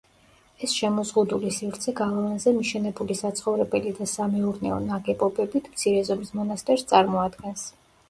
ეს შემოზღუდული სივრცე გალავანზე მიშენებული საცხოვრებელი და სამეურნეო ნაგებობებით, მცირე ზომის მონასტერს წარმოადგენს.